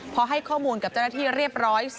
พอให้ข้อมูลกับเจ้าหน้าที่เรียบร้อย